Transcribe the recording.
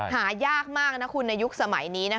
หายากมากนะคุณในยุคสมัยนี้